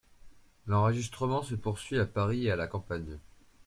L’enregistrement se poursuit à Paris et à la campagne.